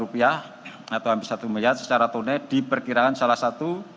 pemenang tender diintirafkan rp empat satu miliar secara tone di perkiraan salah satu